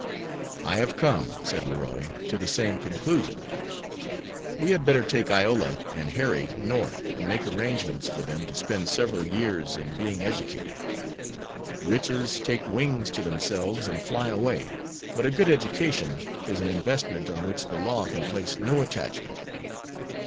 "I have come," said Leroy, "to the same conclusion. We had better take Iola and Harry North and make arrangements for them to spend several years in being educated. Riches take wings to themselves and fly away, but a good education is an investment on which the law can place no attachment.